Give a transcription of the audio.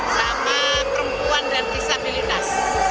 sama perempuan dan disabilitas